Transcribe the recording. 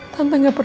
tante gak pernah